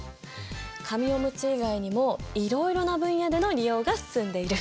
紙オムツ以外にもいろいろな分野での利用が進んでいる。